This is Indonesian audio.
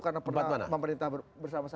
karena pernah pemerintah bersama sama